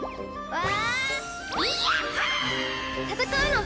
ああ。